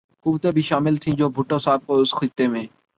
قوتیں بھی شامل تھیں جو بھٹو صاحب کو اس خطے میں